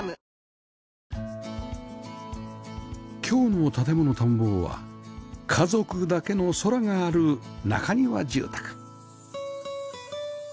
今日の『建もの探訪』は家族だけの空がある中庭住宅